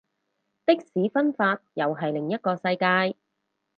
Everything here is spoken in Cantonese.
的士分法又係另一個世界